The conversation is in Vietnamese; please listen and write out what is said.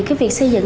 cái việc xây dựng